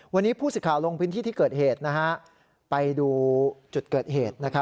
วันนี้ผู้สิทธิ์ลงพื้นที่ที่เกิดเหตุไปดูจุดเกิดเหตุ